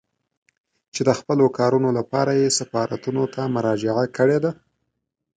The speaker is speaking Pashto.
چې د خپلو کارونو لپاره يې سفارتونو ته مراجعه کړې ده.